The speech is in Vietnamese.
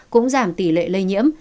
cũng giảm tỷ lệ lây nhiễm